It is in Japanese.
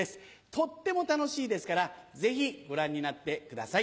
とっても楽しいですからぜひご覧になってください。